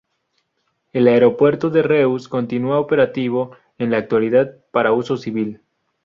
El Aeropuerto de Reus continúa operativo en la actualidad para uso civil.